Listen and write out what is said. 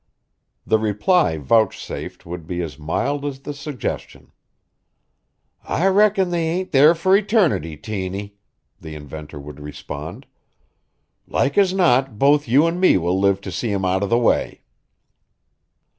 The reply vouchsafed would be as mild as the suggestion: "I reckon they ain't there for eternity, Tiny," the inventor would respond. "Like as not both you an' me will live to see 'em out of the way."